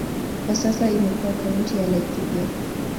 Kwa sasa imekuwa kaunti ya Laikipia.